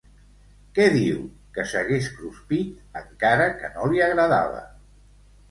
Què diu que s'hagués cruspit, encara que no li agradava?